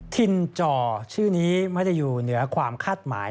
ทินจ่อชื่อนี้ไม่ได้อยู่เหนือความคาดหมาย